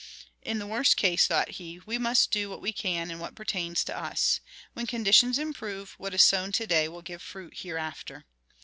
"In the worst case," thought he, "we must do what we can, and what pertains to us. When conditions improve, what is sown to day will give fruit hereafter."